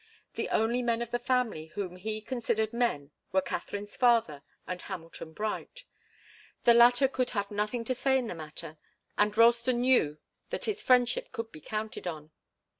The only men of the family whom he considered men were Katharine's father and Hamilton Bright. The latter could have nothing to say in the matter, and Ralston knew that his friendship could be counted on.